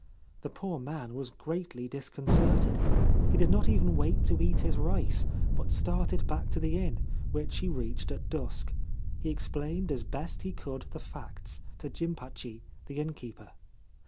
The poor man was greatly disconcerted. He did not even wait to eat his rice, but started back to the inn, which he reached at dusk. He explained as best he could the facts to Jimpachi, the innkeeper.